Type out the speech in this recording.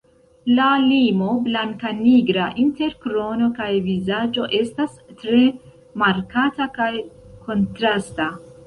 La limo blankanigra inter krono kaj vizaĝo estas tre markata kaj kontrasta.